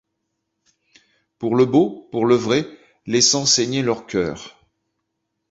Pour le beau, pour le vrai, laissant saigner leurs cœurs.